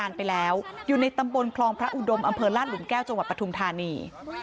อาจจะออกไปแล้วอยู่ในตำบลครองพระอุดมอำเภอล้านหลุมแก้วประถุงธารณี